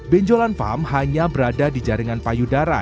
benjolan farm hanya berada di jaringan payudara